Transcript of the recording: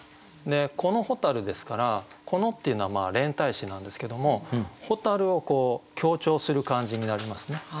「この蛍」ですから「この」っていうのは連体詞なんですけども「蛍」を強調する感じになりますね。